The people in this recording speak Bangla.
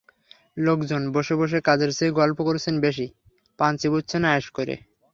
লোকজন বসে বসে কাজের চেয়ে গল্প করছেন বেশি, পান চিবুচ্ছেন আয়েশ করে।